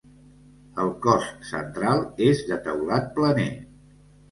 El cos central és de teulat planer.